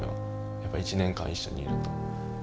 やっぱり１年間一緒にいると。